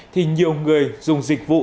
thì nhiều người dùng dịch vụ